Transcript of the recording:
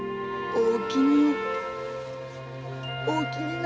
おおきにな。